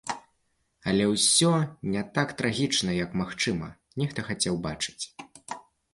Але ўсё не так трагічна, як, магчыма, нехта хацеў бачыць.